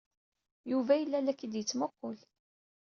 Yuba yella la k-id-yettmuqqul.